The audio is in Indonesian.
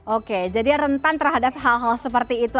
oke jadi rentan terhadap hal hal seperti itu